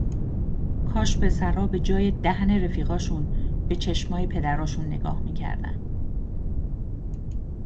کاش پسرا به جای دهن رفیقاشون به چشمای پدراشون نگاه میکردن!